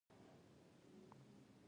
هغوی کولای شول چې مطلق امر وي.